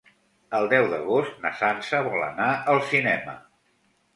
El deu d'agost na Sança vol anar al cinema.